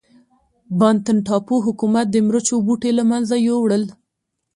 بانتن ټاپو حکومت د مرچو بوټي له منځه یووړل.